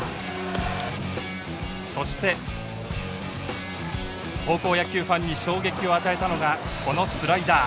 そして高校野球ファンに衝撃を与えたのがこのスライダー。